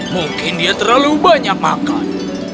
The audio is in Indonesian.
mungkin dia terlalu banyak makan